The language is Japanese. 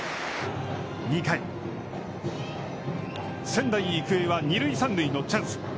仙台育英は、二塁三塁のチャンス。